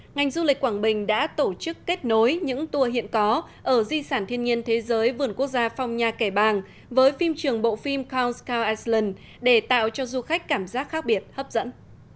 ngành du lịch quảng bình đã tổ chức kết nối những tour hiện có ở di sản thiên nhiên thế giới vườn quốc gia phong nha kẻ bàng với phim trường bộ phim con scon iceland để tạo cho du khách cảm giác khác biệt hấp dẫn